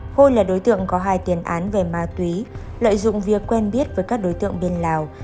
hôi là đối tượng có hai tiền án về ma túy lợi dụng việc quen biết với các đối tượng bên lào